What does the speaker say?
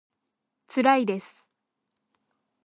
つらいです